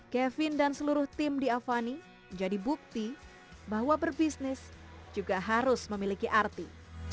kevin dan seluruh tim di avani menjadi bukti bahwa berbisnis juga harus memiliki arti